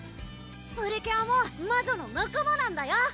⁉プリキュアも魔女の仲間なんだよ